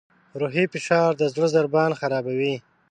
روحي فشار د زړه ضربان خرابوي.